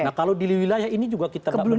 nah kalau di wilayah ini juga kita nggak perlu